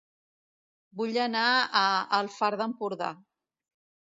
Vull anar a El Far d'Empordà